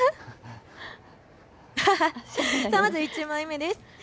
まず１枚目です。